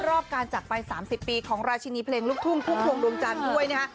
รอบการจับไป๓๐ปีของราชินีเพลงลูกทุ่งภูมิภวงดวงจานด้วย